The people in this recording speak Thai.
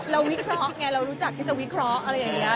วิเคราะห์ไงเรารู้จักที่จะวิเคราะห์อะไรอย่างนี้